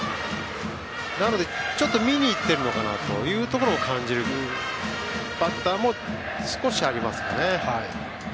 なので、ちょっと見に行っているというところを感じるバッターも少しはありますよね。